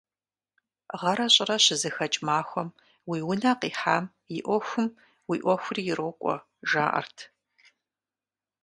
Гъэрэ щӀырэ щызэхэкӀ махуэм уи унэ къихьам и Ӏуэхум уи Ӏуэхури ирокӀуэ, жаӀэрт.